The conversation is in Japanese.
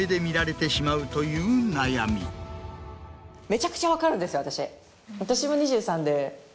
めちゃくちゃ分かるんです私。